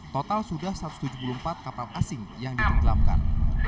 total sudah satu ratus tujuh puluh empat kapal asing yang ditenggelamkan